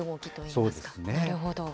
そうですね。